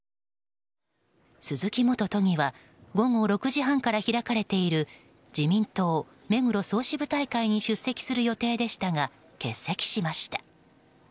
鈴木元都議は午後６時半から開かれている自民党目黒総支部大会に出席する予定でしたが欠席しました。